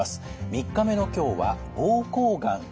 ３日目の今日は膀胱がんです。